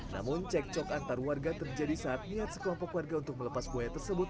namun cek cok antar warga terjadi saat niat sekelompok warga untuk melepas buaya tersebut